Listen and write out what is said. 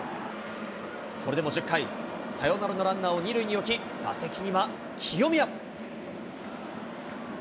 それでも１０回、サヨナラのランナーを２塁に置き、打席には清宮。